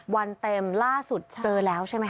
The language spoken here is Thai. วันเต็มล่าสุดเจอแล้วใช่ไหมค